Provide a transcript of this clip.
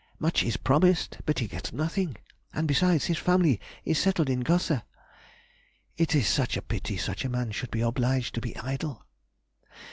Much is promised, but he gets nothing; and besides, his family is settled in Götha. It is a pity such a man should be obliged to be idle.